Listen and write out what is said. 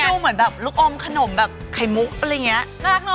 ให้ดูเหมือนแบบลูกอมขนมแบบไข่มุกอะไรอย่างเงี้ย